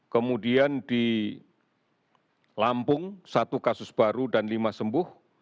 kemudian di lampung satu kasus baru dan lima sembuh